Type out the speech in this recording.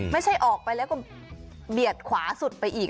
ไม่ใช่ออกไปแล้วก็เบียดขวาสุดไปอีก